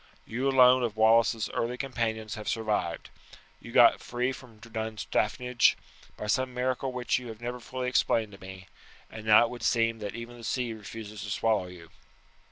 You alone of Wallace's early companions have survived. You got free from Dunstaffnage by some miracle which you have never fully explained to me, and now it would seem that even the sea refuses to swallow you."